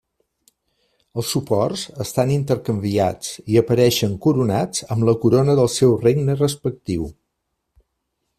Els suports estan intercanviats i apareixen coronats amb la corona del seu regne respectiu.